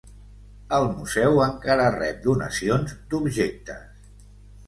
El museu encara rep donacions d'objectes.